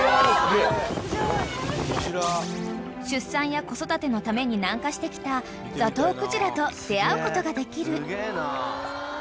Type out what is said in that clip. ［出産や子育てのために南下してきたザトウクジラと出合うことができる］